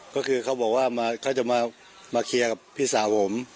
ก็คือเขาบอกว่าเขาจะมาเคลียร์กับพี่สาวผม